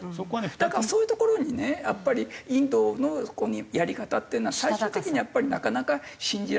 だからそういうところにねやっぱりインドのやり方っていうのは最終的にやっぱりなかなか信じられないっていう。